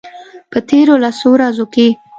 په تیرو لسو ورځو کې